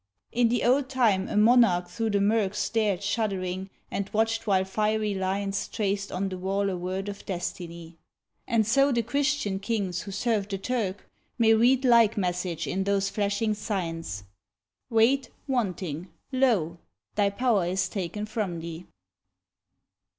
In the old time a monarch through the murk Stared shuddering, and watched while fiery lines Traced on the wall a word of destiny ; And so the " Christian " kings who serve the Turk May read like message in those flashing signs :" Weighed, wanting, lo ! thy power is taken from thee."